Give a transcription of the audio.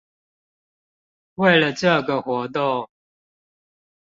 為了這個活動